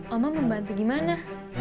omong membantu gimana